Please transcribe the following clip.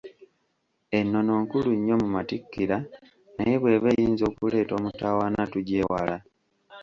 Ennono nkulu nnyo mu Matikkira naye bw’eba eyinza okuleeta omutawaana, tugyewala.